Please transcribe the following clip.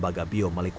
keroyan jomb rond